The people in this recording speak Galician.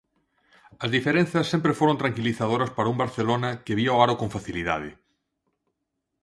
As diferenzas sempre foron tranquilizadoras para un Barcelona, que vía o aro con facilidade.